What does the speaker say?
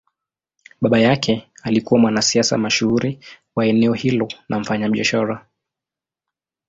Baba yake alikuwa mwanasiasa mashuhuri wa eneo hilo na mfanyabiashara.